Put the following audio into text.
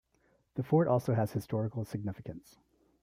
The fort also has historical significance.